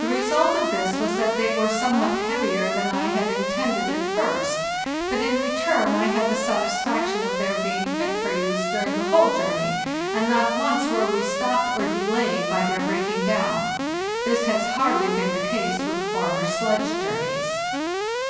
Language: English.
The result of this was that they were somewhat heavier than I had intended at first; but in return I had the satisfaction of their being fit for use during the whole journey, and not once were we stopped or delayed by their break ing down. This has hardly been the case with former sledge journeys.